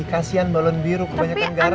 kasian balon biru kebanyakan garam